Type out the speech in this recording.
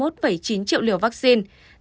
hai mươi một chín triệu liều vaccine